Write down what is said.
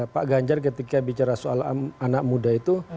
pak ganjar ketika bicara soal anak muda itu